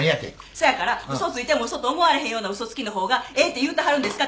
そやから嘘ついても嘘と思われへんような嘘つきの方がええって言うてはるんですか？